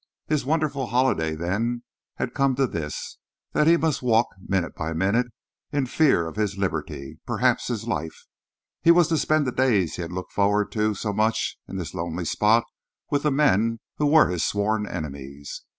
His wonderful holiday, then, had come to this that he must walk, minute by minute, in fear of his liberty, perhaps his life. He was to spend the days he had looked forward to so much in this lonely spot with the men who were his sworn enemies.